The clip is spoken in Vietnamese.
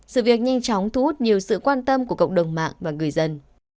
sự việc nhanh chóng thu hút nhiều sự quan tâm của cộng đồng mạng và người dân